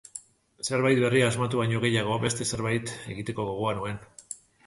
Zerbait berria asmatu baino gehiago, beste zerbait egiteko gogoa nuen.